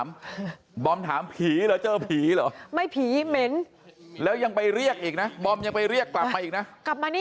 ก็ธรรมชาติเป็นเหมือนด้ามวายวายเนธมอกมั้ย